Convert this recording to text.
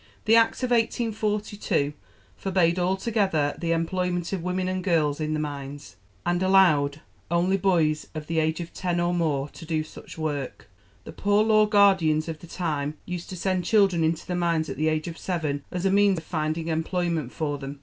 The Act of 1842 forbade altogether the employment of women and girls in the mines, and allowed only boys of the age of ten or more to do such work. The Poor Law Guardians of the time used to send children into the mines at the age of seven as a means of finding employment for them.